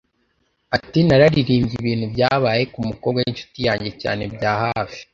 Ati “Naririmbye ibintu byabaye ku mukobwa w’inshuti yanjye cyane bya hafi